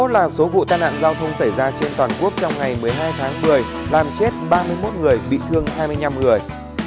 một là số vụ tai nạn giao thông xảy ra trên toàn quốc trong ngày một mươi hai tháng một mươi làm chết ba mươi một người bị thương hai mươi năm người